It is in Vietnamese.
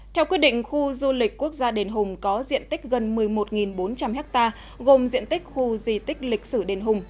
theo quyết định khu du lịch quốc gia đền hùng có diện tích gần một mươi một bốn trăm linh ha gồm diện tích khu di tích lịch sử đền hùng